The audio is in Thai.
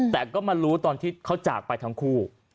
แต่ก็มารู้ตอนที่เขาจากไปทั้งคู่